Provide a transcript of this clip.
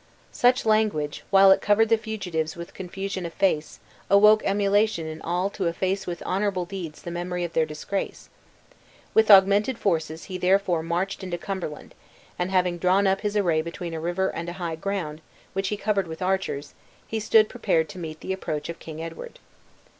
Such language, while it covered the fugitives with confusion of face, awoke emulation in all to efface with honorable deeds the memory of their disgrace. With augmented forces he therefore marched into Cumberland; and having drawn up his array between a river and a high ground, which he covered with archers, he stood prepared to meet the approach of King Edward.